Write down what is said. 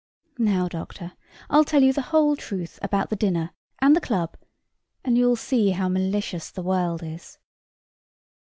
Now, Doctor, I'll tell you the whole truth about the dinner and the club, and you'll see how malicious the world is.